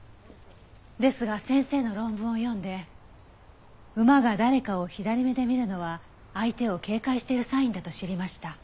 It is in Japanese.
ですが先生の論文を読んで馬が誰かを左目で見るのは相手を警戒しているサインだと知りました。